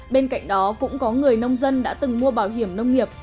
bên cạnh đó cũng có người nông dân đã từng mua bảo hiểm nông nghiệp